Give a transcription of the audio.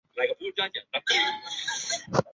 几天后好不容易找到了